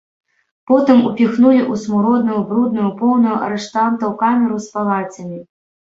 Потым упіхнулі ў смуродную, брудную, поўную арыштантаў камеру з палацямі.